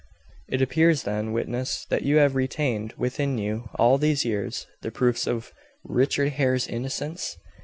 "It appears then, witness, that you have retained within you, all these years, the proofs of Richard Hare's innocence?"